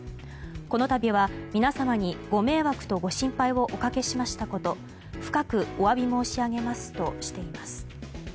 この度は皆様にご迷惑とご心配をおかけしましたこと深くお詫び申し上げますとしています。